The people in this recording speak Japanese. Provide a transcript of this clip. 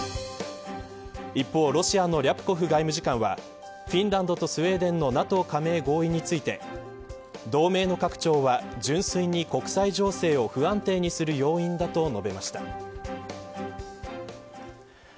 一方、ロシアのリャプコフ外務次官はフィンランドとスウェーデンのＮＡＴＯ加盟合意について同盟の拡張は純粋に国際情勢を不安定にする要因だと述べました。